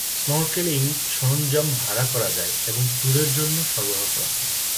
Snorkelling সরঞ্জাম ভাড়া করা যায় এবং ট্যুরের জন্য সরবরাহ করা হয়।